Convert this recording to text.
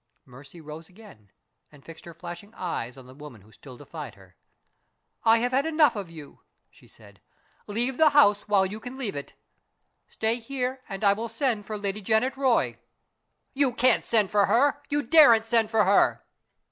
Mercy rose again, and fixed her flashing eyes on the woman who still defied her. "I have had enough of you!" she said. "Leave the house while you can leave it. Stay here, and I will send for Lady Janet Roy." "You can't send for her! You daren't send for her!"